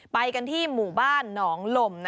ไปกันที่หมู่บ้านหนองลม